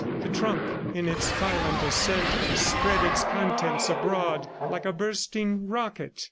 The trunk, in its violent ascent, spread its contents abroad like a bursting rocket.